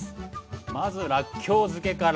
まずらっきょう漬けから。